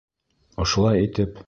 Ошолай итеп!